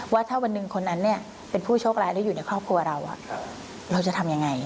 ว่าถ้าวันหนึ่งคนนั้นเป็นผู้โชคร้ายแล้วอยู่ในครอบครัวเราเราจะทำยังไง